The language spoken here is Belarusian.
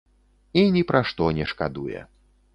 І ні пра што не шкадуе.